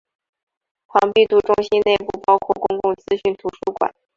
庞毕度中心内部包括公共资讯图书馆。